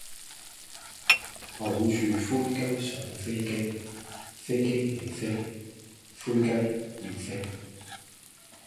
抱著灰雞上飛機，飛機起飛，灰雞要飛